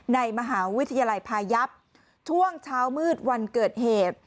ในมหาวิทยาลัยพายับช่วงเช้ามืดวันเกิดเหตุ